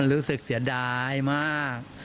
รู้สึกเสียดายมาก